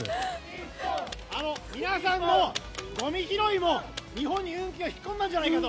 皆さんのゴミ拾いも日本に運気を引き込んだんじゃないかと。